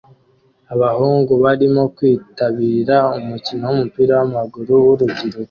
Abahungu barimo kwitabira umukino wumupira wamaguru wurubyiruko